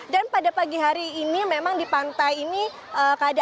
dan pada pagi hari ini memang di pantai ini keadaan lautnya masih berubah